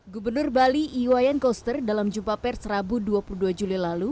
gubernur bali iwayan koster dalam jumpa pers rabu dua puluh dua juli lalu